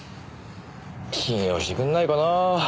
信用してくんないかな。